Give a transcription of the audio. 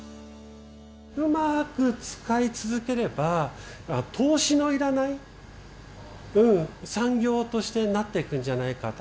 うまく使い続ければ投資の要らない産業としてなっていくんじゃないかと。